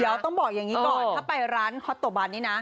เดี๋ยวต้องบอกอย่างนี้ก่อน